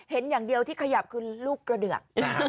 เห็นอย่างเดียวที่ขยับคือลูกกระเดือก